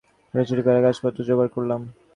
ছোটাছুটি করে কাগজপত্র জোগাড় করলাম।